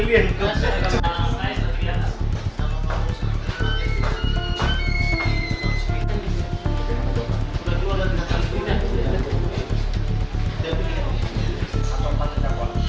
dia mencuri itu karena disuruh pc